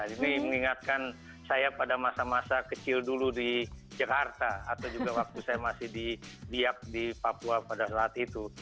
ini mengingatkan saya pada masa masa kecil dulu di jakarta atau juga waktu saya masih di biak di papua pada saat itu